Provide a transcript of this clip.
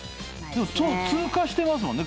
通過してますもんね